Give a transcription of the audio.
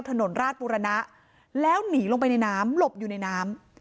ถนนราชบุรณะแล้วหนีลงไปในน้ำหลบอยู่ในน้ำ